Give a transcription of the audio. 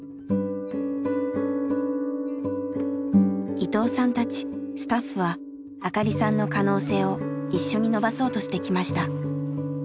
伊藤さんたちスタッフは明香里さんの可能性を一緒に伸ばそうとしてきました。